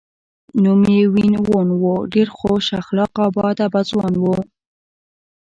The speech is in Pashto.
نوم یې وین وون و، ډېر خوش اخلاقه او با ادبه ځوان و.